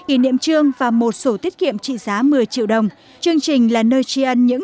ý niệm trương và một sổ tiết kiệm trị giá một mươi triệu đồng